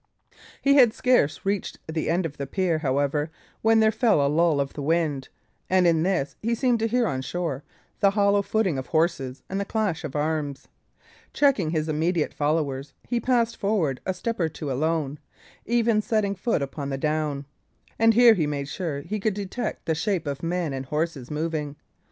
He had scarce reached the end of the pier, however, when there fell a lull of the wind; and in this he seemed to hear on shore the hollow footing of horses and the clash of arms. Checking his immediate followers, he passed forward a step or two alone, even setting foot upon the down; and here he made sure he could detect the shape of men and horses moving.